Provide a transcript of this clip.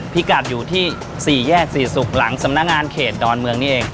พิกัดอยู่ที่สี่แยกสี่สุขหลังสำนางานเขตดอนเมืองนี่เอง